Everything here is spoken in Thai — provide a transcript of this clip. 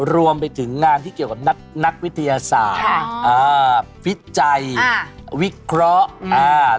รวมไปถึงงานที่เกี่ยวกับนักวิทยาศาสตร์อ่าฟิตใจค่ะวิเคราะห์อ่า